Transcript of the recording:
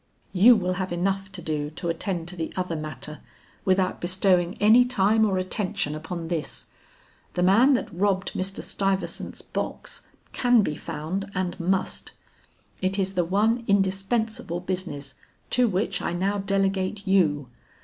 "You will have enough to do to attend to the other matter without bestowing any time or attention upon this. The man that robbed Mr. Stuyvesant's box, can be found and must. It is the one indispensable business to which I now delegate you.